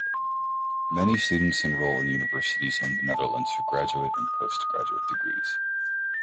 Many students enroll in universities in the Netherlands for graduate and postgraduate degrees.